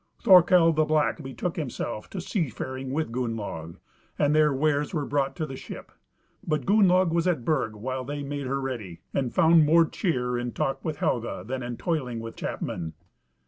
Thorkel the Black betook himself to seafaring with Gunnlaug, and their wares were brought to the ship; but Gunnlaug was at Burg while they made her ready, and found more cheer in talk with Helga than in toiling with chapmen.